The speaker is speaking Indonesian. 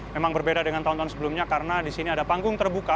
memang berbeda dengan tahun tahun sebelumnya karena di sini ada panggung terbuka